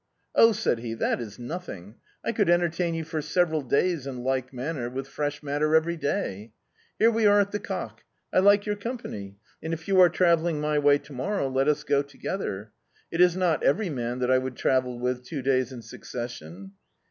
"Ob," said he, "that is nothing; I could entertain you for several days in like manner, with fresh matter each day. Here we are at the 'Cock.' I like your canpany and, if you are travelling my way to morrow, let us go together. It is not every man that I would travel with two days in succes sion."